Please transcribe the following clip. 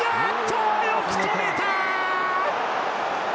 よく止めた！